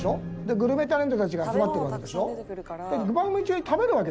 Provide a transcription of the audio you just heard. グルメタレントたちが集まってるわけでしょ？